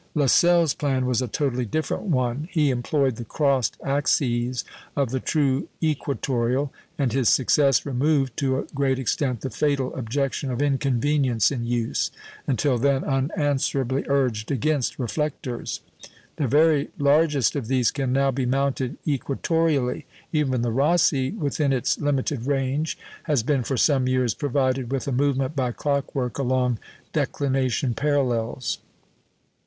Lassell's plan was a totally different one; he employed the crossed axes of the true equatoreal, and his success removed, to a great extent, the fatal objection of inconvenience in use, until then unanswerably urged against reflectors. The very largest of these can now be mounted equatoreally; even the Rosse, within its limited range, has been for some years provided with a movement by clockwork along declination parallels.